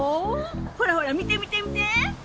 ほらほら見て見て見て！